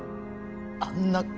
あんな